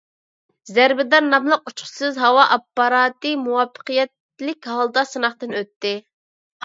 «زەربىدار» ناملىق ئۇچقۇچىسىز ھاۋا ئاپپاراتى مۇۋەپپەقىيەتلىك ھالدا سىناقتىن ئۆتتى.